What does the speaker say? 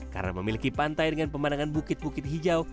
karena memiliki pantai dengan pemandangan bukit bukit hijau